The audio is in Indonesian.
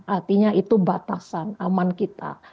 artinya itu batasan aman kita